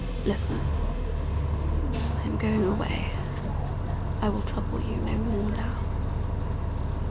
Listen. I am going away. I will trouble you no more now.